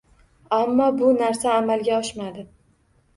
Ammo bu narsa amalga oshmadi